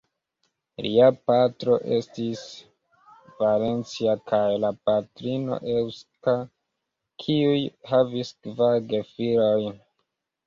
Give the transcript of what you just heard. Lia patro estis valencia kaj la patrino eŭska, kiuj havis kvar gefilojn.